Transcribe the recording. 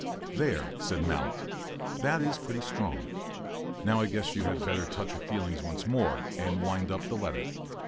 ["There," said Mallett, "that is pretty strong. Now I guess you had better touch her feelings once more, and wind up the letter."